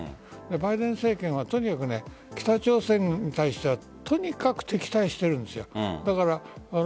バイデン政権はとにかく北朝鮮に対して敵対しているんです。